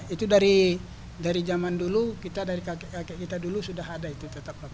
itu dari zaman dulu kita dari kakek kita dulu sudah ada itu